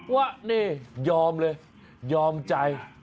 ว่านี่ยอมเลยยอมใจ